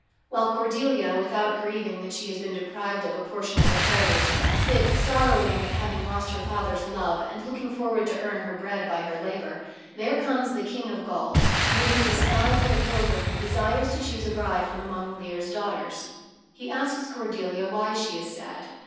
While Cordelia, without grieving that she has been deprived of a portion of the heritage, sits sorrowing at having lost her father's love, and looking forward to earn her bread by her labor, there comes the King of Gaul, who, in the disguise of a pilgrim, desires to choose a bride from among Leir's daughters. He asks Cordelia why she is sad.